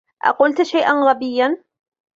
أقلتُ شيئًا غبيًّا ؟